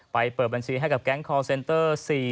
เปิดบัญชีให้กับแก๊งคอร์เซนเตอร์